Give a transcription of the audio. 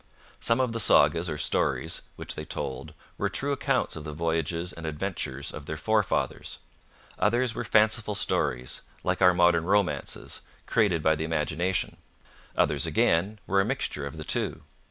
Some of the sagas, or stories, which they told were true accounts of the voyages and adventures of their forefathers; others were fanciful stories, like our modern romances, created by the imagination; others, again, were a mixture of the two.